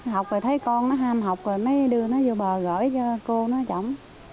học rồi thấy con nó ham học rồi mới đưa nó vô bờ gửi cho cô nó chồng